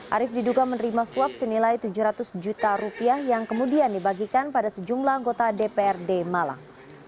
arief diduga menerima suap senilai tujuh ratus juta rupiah yang kemudian dibagikan pada sejumlah anggota dprd malang